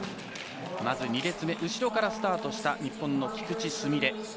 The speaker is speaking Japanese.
２列目、後ろからスタートした、日本の菊池純礼。